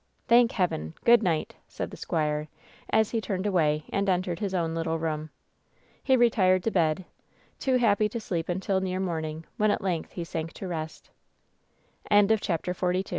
"Thank Heaven ! Good night," said the squire, as he turned away and entered his own little room. He retired to bed, too happy to sleep until near morn ing, when at length he sank to rest C